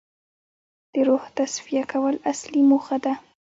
د روح تصفیه کول اصلي موخه ده.